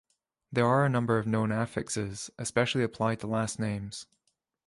There are a number of known affixes, especially applied to last names.